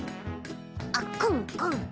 あっコンコンコン